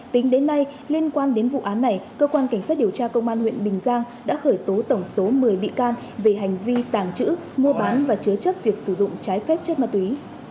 tính đến nay liên quan đến vụ án này cơ quan cảnh sát điều tra công an huyện bình giang đã khởi tố tổng số một mươi bị can về hành vi tàng trữ mua bán và chứa chấp việc sử dụng trái phép chất ma túy